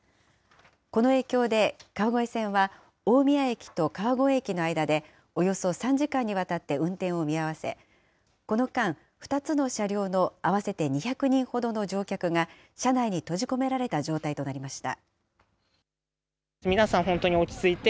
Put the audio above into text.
この影響で、川越線は大宮駅と川越駅の間で、およそ３時間にわたって運転を見合わせ、この間、２つの車両の合わせて２００人ほどの乗客が車内に閉じ込められた状態となりました。